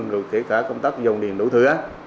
bề tăng quá công tác dùng điện đủ thứ